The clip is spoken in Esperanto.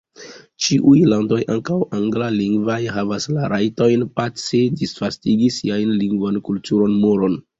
Ĉiuj landoj, ankaŭ anglalingvaj, havas la rajton pace disvastigi siajn lingvon, kulturon, morojn.